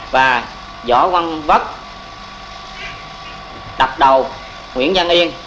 và võ quân vất đập đầu nguyễn văn yên